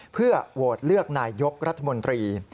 เพื่อโหวตเลือกนายยกรัฐมนตรี